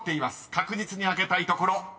確実に開けたいところ］